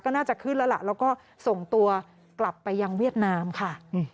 น่าจะขึ้นแล้วล่ะแล้วก็ส่งตัวกลับไปยังเวียดนามค่ะ